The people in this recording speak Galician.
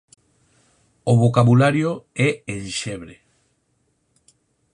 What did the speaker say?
O vocabulario é enxebre.